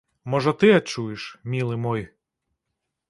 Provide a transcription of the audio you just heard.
Можа, ты адчуеш, мілы мой.